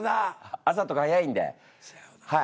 朝とか早いんではい。